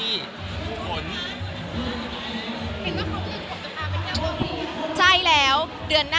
อุ้ยให้ใครปิดปาก